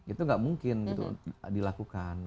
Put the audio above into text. itu tidak mungkin dilakukan